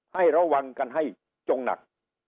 ให้ระวังกันให้จงหนัก